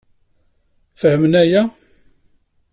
Fehmen aya?